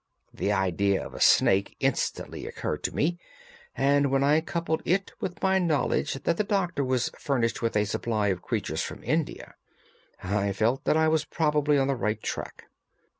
The idea of a snake instantly occurred to me, and when I coupled it with my knowledge that the doctor was furnished with a supply of creatures from India, I felt that I was probably on the right track.